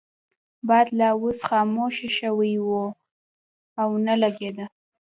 باد لا اوس خاموشه شوی وو او نه لګیده.